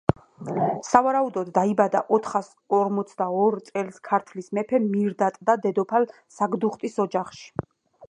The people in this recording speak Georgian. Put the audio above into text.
სავარაუდოდ, დაიბადა ოთხას ორმოცდაორ წელს ქართლის მეფე მირდატ და დედოფალ საგდუხტის ოჯახში